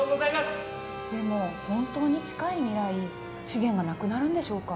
でも本当に近い未来資源が無くなるんでしょうか？